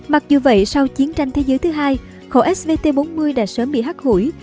mặc dù vậy sau chiến tranh thế giới thứ hai khẩu svt bốn mươi đã sớm bị hắc hủi